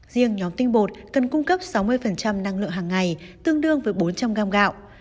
riêng nhóm tinh bột cần cung cấp sáu mươi năng lượng hàng ngày tương đương với bốn trăm linh gạo